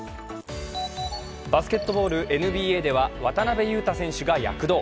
バスケットボールＮＢＡでは渡邊雄太選手が躍動。